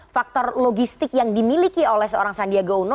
faktor logistik yang dimiliki oleh seorang sandiaga uno